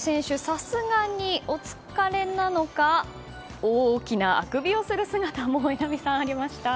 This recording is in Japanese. さすがにお疲れなのか大きなあくびをする姿も榎並さん、ありました。